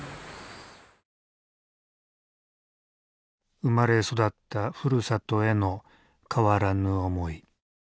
生まれ育ったふるさとへの変わらぬ思い。